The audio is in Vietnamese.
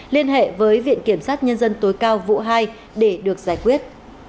liên hệ với viện kiểm sát nhân dân tối cao vụ hai để được giải quyết